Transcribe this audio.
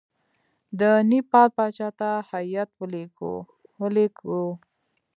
د نیپال پاچا ته هیات ولېږو.